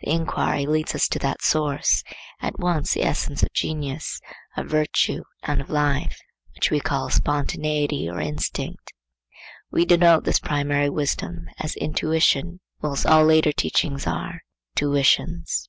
The inquiry leads us to that source, at once the essence of genius, of virtue, and of life, which we call Spontaneity or Instinct. We denote this primary wisdom as Intuition, whilst all later teachings are tuitions.